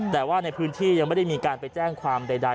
แต่ว่าในพื้นที่ยังไม่ได้มีการไปแจ้งความใด